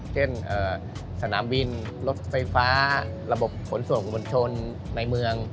เช่นสนามบินรถไฟฟ้าระบบขนส่งมวลชนในเมือง